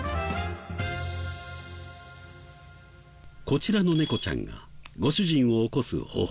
こちらの猫ちゃんがご主人を起こす方法は。